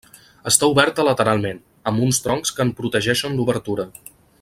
Està oberta lateralment, amb uns troncs que en protegeixen l'obertura.